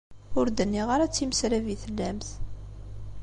Ur d-nniɣ ara d timeslab i tellamt.